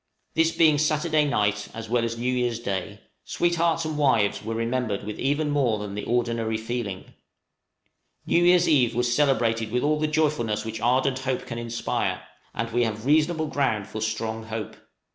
_ This being Saturday night as well as New Year's Day, "Sweethearts and Wives" were remembered with even more than the ordinary feeling. New year's eve was celebrated with all the joyfulness which ardent hope can inspire: and we have reasonable ground for strong hope.